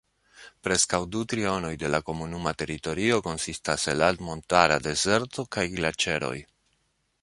Preskaŭ du trionoj de la komunuma teritorio konsistas el altmontara dezerto kaj glaĉeroj.